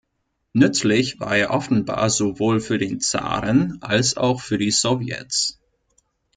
Nützlich war er offenbar sowohl für den Zaren als auch für die Sowjets.